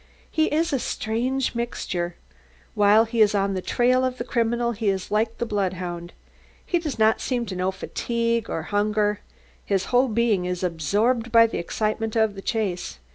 He is a strange mixture. While he is on the trail of the criminal he is like the bloodhound. He does not seem to know fatigue nor hunger; his whole being is absorbed by the excitement of the chase.